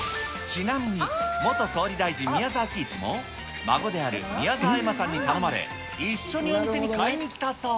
ちなみに、元総理大臣、宮澤喜一も、孫である、宮澤エマさんに頼まれ、一緒にお店に買いにきたそう。